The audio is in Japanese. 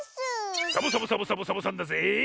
サボサボサボサボサボさんだぜえ！